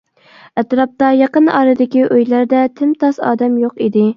ئەتراپتا يېقىن ئارىدىكى ئۆيلەردە تىم-تاس، ئادەم يوق.